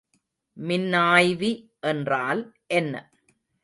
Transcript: மின்னாய்வி என்றால் என்ன?